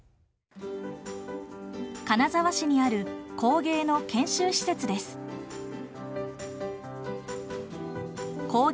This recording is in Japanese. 金沢市にある工芸の研修施設です。